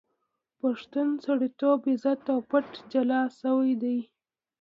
پښتون سړیتوب، عزت او پت جلا شوی دی.